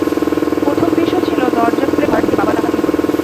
প্রথম দৃশ্য ছিল, দরজা খুলে ঘরে ঢুকে বাবার টাকা চুরি করব।